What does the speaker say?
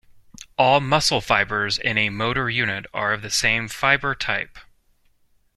All muscle fibres in a motor unit are of the same fibre type.